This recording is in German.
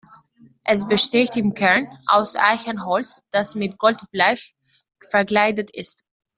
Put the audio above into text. Es besteht im Kern aus Eichenholz, das mit Goldblech verkleidet ist.